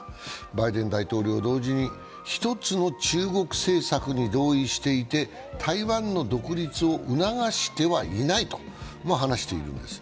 バイデン大統領は、同時に一つの中国政策に同意していて台湾の独立を促してはいないとも話しているんです。